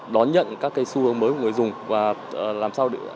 đón nhận các cái xu hướng mới của người dùng và làm sao để